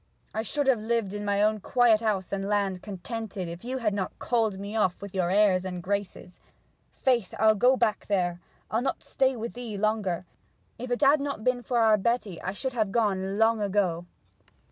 I should have lived in my own quiet house and land, contented, if you had not called me off with your airs and graces. Faith, I'll go back there; I'll not stay with thee longer! If it had not been for our Betty I should have gone long ago!'